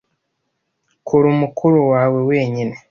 Kora umukoro wawe wenyine.